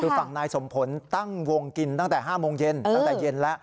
คือฝั่งนายสมผลตั้งวงกินตั้งแต่๕โมงเย็นตั้งแต่เย็นแล้ว